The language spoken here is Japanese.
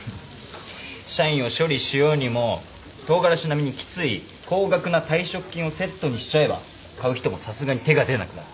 社員を処理しようにもトウガラシ並みにきつい高額な退職金をセットにしちゃえば買う人もさすがに手が出なくなる。